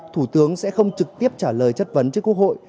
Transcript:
thủ tướng sẽ không trực tiếp trả lời chất vấn trước quốc hội